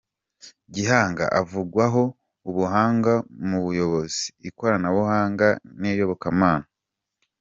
Gihanga avugwaho ubuhanga mu buyobozi, ikoranabuhanga n’iyobokamana.